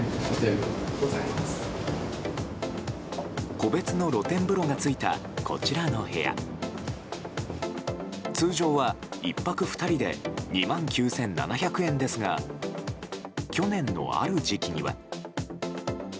個別の露天風呂がついたこちらの部屋通常は１泊２人で２万９７００円ですが去年のある時期には。